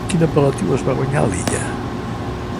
Quin apel·latiu es va guanyar l'illa?